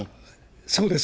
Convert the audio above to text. そうです。